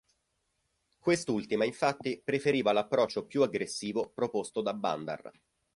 Quest'ultima infatti preferiva l'approccio più aggressivo proposto da Bandar.